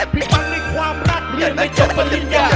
ปังในความรักเรียนไม่จบปริญญา